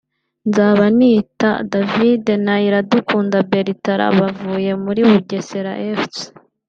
Nzabanita David na Iradukunda Bertrand bavuye muri Bugesera Fc